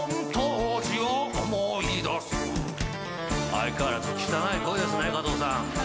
相変わらず汚い声ですね加藤さん。